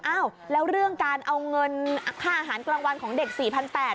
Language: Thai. อ้าวแล้วเรื่องการเอาเงินค่าอาหารกลางวันของเด็ก๔๘๐๐บาท